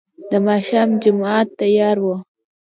د ماښام جماعت تيار و.